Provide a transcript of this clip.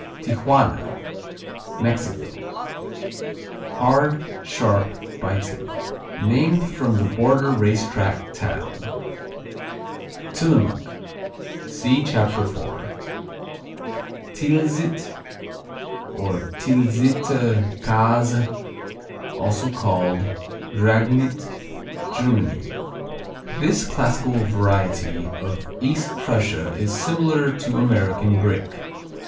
Tijuana Mexico Hard; sharp; biting; named from the border race track town. Tillamook see Chapter 4. Tilsit, or Tilsiter Käse, also called Ragnit Germany This classical variety of East Prussia is similar to American Brick.